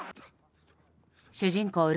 主人公